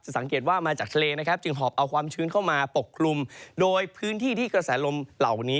สังเกตว่ามาจากทะเลนะครับจึงหอบเอาความชื้นเข้ามาปกคลุมโดยพื้นที่ที่กระแสลมเหล่านี้